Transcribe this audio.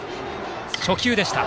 初球でした。